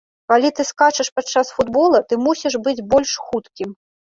Калі ты скачаш падчас футбола, ты мусіш быць больш хуткім.